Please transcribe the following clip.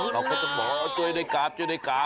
เราก็จะบอกโจยได้กราฟโจยได้กราฟ